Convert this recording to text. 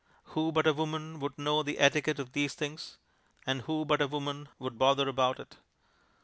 Who but a woman would know the etiquette of these things, and who but a woman would bother about it?